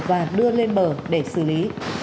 và đưa lên bờ để xử lý